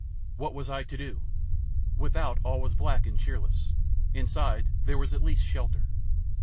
What was I to do? Without all was black and cheerless, inside there was at least shelter.